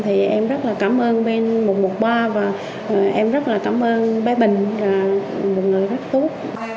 thì em rất là cảm ơn bên một trăm một mươi ba và em rất là cảm ơn bé bình là một người rất tốt